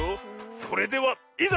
それではいざ！